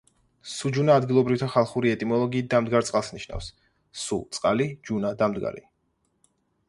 სუჯუნა ადგილობრივთა ხალხური ეტიმოლოგიით დამდგარ წყალს ნიშნავს: სუ–წყალი, ჯუნა–დამდგარი.